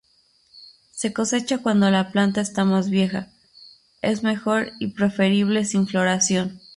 Se cosecha cuando la planta está más vieja, es mejor y preferible sin floración.